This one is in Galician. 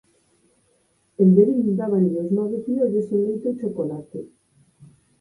En Verín dábanlle os nove piollos en leite ou chocolate.